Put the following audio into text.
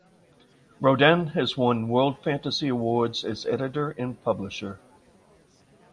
Roden has won World Fantasy Awards as editor and publisher.